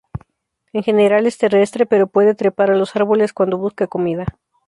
En general, es terrestre, pero puede trepar a los árboles cuando busca comida.